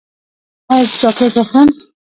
ایا زه چاکلیټ وخورم؟